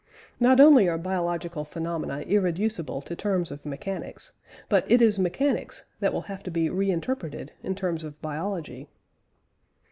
Not only are biological phenomena irreducible to terms of mechanics, but it is mechanics that will have to be re interpreted in terms of biology.